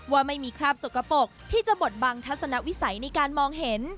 ว่าไม่มีคราบสกปรกที่จะบดบังทัศนวิสัยในการมองเห็น